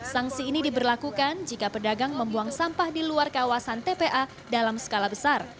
sanksi ini diberlakukan jika pedagang membuang sampah di luar kawasan tpa dalam skala besar